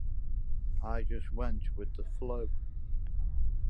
I just went with the flow.